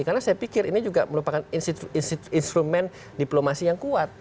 karena saya pikir ini juga merupakan instrument diplomasi yang kuat